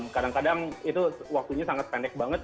kadang kadang itu waktunya sangat pendek banget